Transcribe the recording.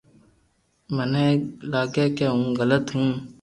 مني اي لاگي ڪي ھون گلت ھون